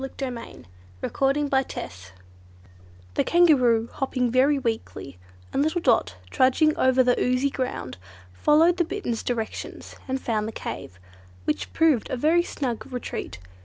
Chapter 9 The Kangaroo's Story The Kangaroo, hopping very weakly, and little Dot trudging over the oozy ground, followed the Bittern's directions and found the cave, which proved a very snug retreat.